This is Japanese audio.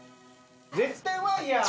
絶対うまいやん！